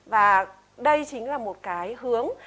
và đây chính là một cái hướng